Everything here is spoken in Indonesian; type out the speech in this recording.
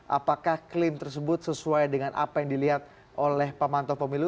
apakah klaim tersebut sesuai dengan apa yang dilihat oleh pemantau pemilu